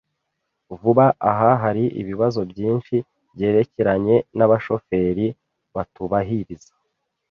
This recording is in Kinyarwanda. Vuba aha hari ibibazo byinshi byerekeranye nabashoferi batubahiriza